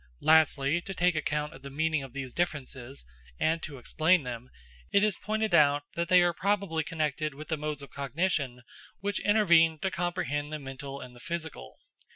Lastly, to take account of the meaning of these differences, and to explain them, it is pointed out that they are probably connected with the modes of cognition which intervene to comprehend the mental and the physical.